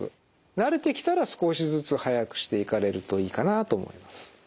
慣れてきたら少しずつ速くしていかれるといいかなと思います。